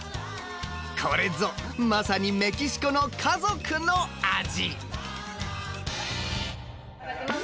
これぞまさにメキシコの家族の味。